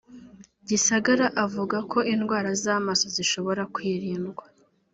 Gisagara avuga ko indwara z’amaso zishobora kwirindwa